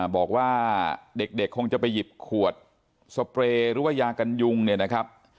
บอกว่าเด็กคงจะไปหยิบขวดสเปรย์หรือว่ายากันยุงเนี่ยนะครับ